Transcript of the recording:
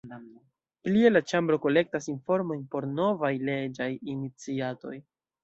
Plie la Ĉambro kolektas informojn por novaj leĝaj iniciatoj.